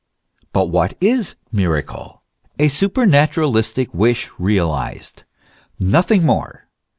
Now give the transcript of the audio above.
But what is miracle ? A supranaturalistic wish realized nothing more.